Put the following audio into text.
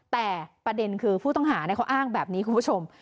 แต่ประเด็นคือผู้ต้องหาเขาอ้างแบบนี้คุณผู้ชม